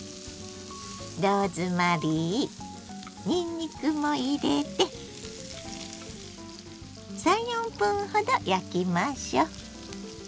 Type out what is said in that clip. ローズマリーにんにくも入れて３４分ほど焼きましょう。